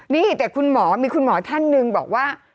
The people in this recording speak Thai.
นี่แต่คุณหมอมีคุณหมอท่านหนึ่งบอกว่า